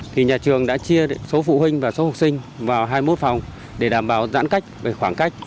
thì nhà trường đã chia số phụ huynh và số học sinh vào hai mươi một phòng để đảm bảo giãn cách về khoảng cách